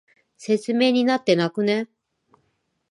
説明になってなくね？